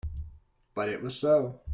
But it was so.